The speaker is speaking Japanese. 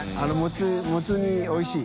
もつ煮おいしい？